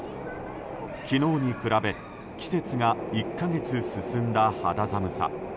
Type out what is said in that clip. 昨日に比べ季節が１か月進んだ肌寒さ。